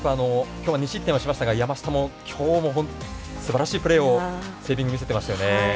今日、２失点はしましたが山下も今日も本当にすばらしいプレーをセービング見せていましたね。